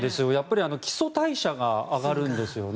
基礎代謝が上がるんですよね。